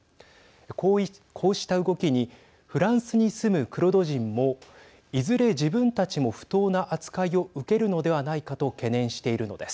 こうした動きにフランスに住むクルド人もいずれ自分たちも不当な扱いを受けるのではないかと懸念しているのです。